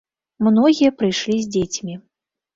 Многія прыйшлі з дзецьмі.